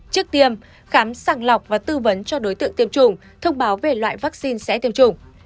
trước tiêm khám sàng lọc và tư vấn cho đối tượng tiêm chủng thông báo về loại vaccine sẽ tiêm chủng